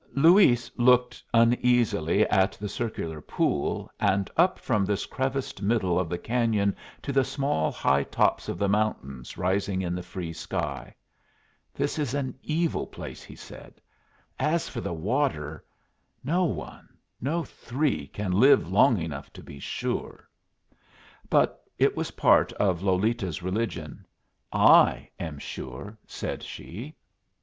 Luis looked uneasily at the circular pool, and up from this creviced middle of the cañon to the small high tops of the mountains rising in the free sky. "This is an evil place," he said. "As for the water no one, no three, can live long enough to be sure." But it was part of Lolita's religion. "I am sure," said she.